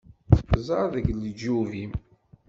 Ẓer deg leǧyub-im!